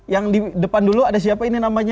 yang di depan dulu ada siapa ini namanya